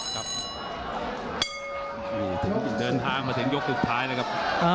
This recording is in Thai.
ถึงเดินทางมาถึงยกสุดท้ายแล้วครับ